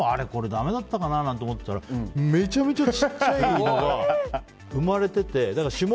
だめだったかなって思ってたらめちゃめちゃ小さいのが生まれてて。